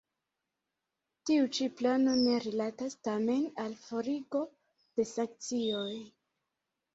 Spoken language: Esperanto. Tiu ĉi plano ne rilatas tamen al forigo de sankcioj.